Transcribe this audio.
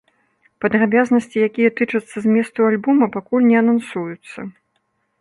Падрабязнасці, якія тычацца зместу альбома, пакуль не анансуюцца.